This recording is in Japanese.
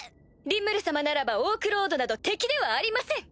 リムル様ならばオークロードなど敵ではありません！